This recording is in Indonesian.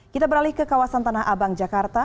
kita beralih ke kawasan tanah abang jakarta